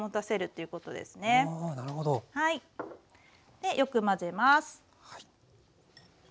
でよく混ぜます。